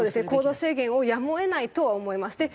行動制限をやむを得ないとは思います。